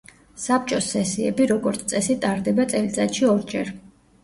საბჭოს სესიები, როგორც წესი, ტარდება წელიწადში ორჯერ.